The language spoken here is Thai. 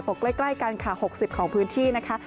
ใกล้กันค่ะ๖๐ของพื้นที่นะคะ